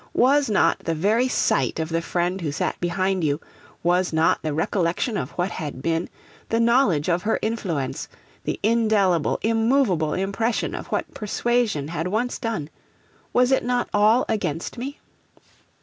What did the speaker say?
Was not the very sight of the friend who sat behind you; was not the recollection of what had been, the knowledge of her influence, the indelible, immovable impression of what persuasion had once done was it not all against me?'